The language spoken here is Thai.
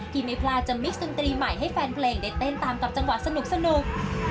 ที่ไม่พลาดจะมิกดนตรีใหม่ให้แฟนเพลงได้เต้นตามกับจังหวะสนุก